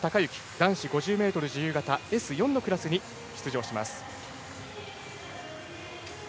男子５０ｍ自由形Ｓ４のクラスに出場します。